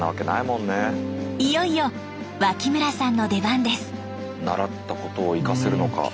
いよいよ脇村さんの出番です。